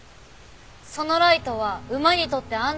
そのライトは馬にとって安全ですか？